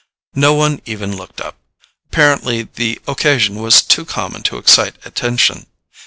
No one even looked up; apparently the occasion was too common to excite attention.